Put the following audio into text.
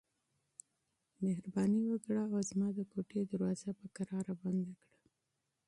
مهرباني وکړه او زما د خونې دروازه په کراره بنده کړه.